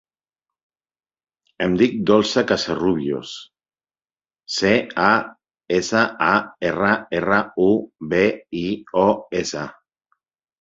Em dic Dolça Casarrubios: ce, a, essa, a, erra, erra, u, be, i, o, essa.